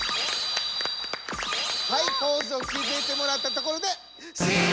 はいポーズをきめてもらったところでえぇ⁉